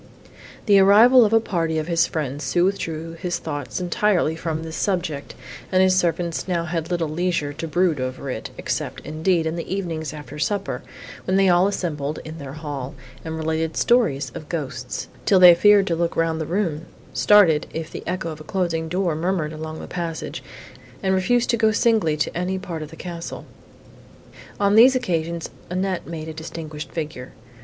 The arrival of a party of his friends soon withdrew his thoughts entirely from this subject, and his servants had now little leisure to brood over it, except, indeed, in the evenings after supper, when they all assembled in their hall, and related stories of ghosts, till they feared to look round the room; started, if the echo of a closing door murmured along the passage, and refused to go singly to any part of the castle. On these occasions Annette made a distinguished figure.